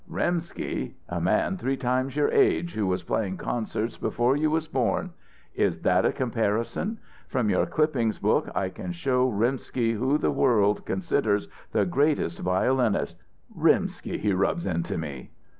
"'Rimsky!' A man three times your age who was playing concerts before you was born! Is that a comparison? From your clippings books I can show Rimsky who the world considers the greatest violinist. Rimsky he rubs into me!"